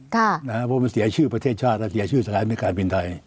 เพราะมันเสียชื่อประเทศชาติแล้วเสียชื่อสถานในการบินไทย